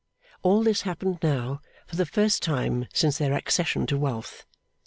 All this happened now, for the first time since their accession to wealth.